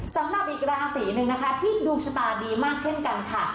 สำหรับอีกราศีหนึ่งนะคะที่ดวงชะตาดีมากเช่นกันค่ะ